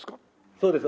そうです。